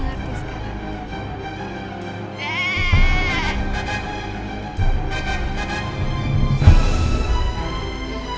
wadidari tolong putri